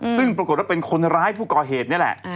ซึ่งปรากฏว่าเป็นคนร้ายผู้ก่อเหตุนี่แหละ